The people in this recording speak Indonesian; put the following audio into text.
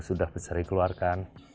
sudah besar dikeluarkan